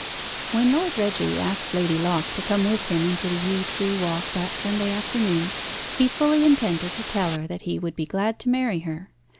When Lord Reggie asked Lady Locke to come with him into the yew tree walk that Sunday afternoon, he fully intended to tell her that he would be glad to marry her.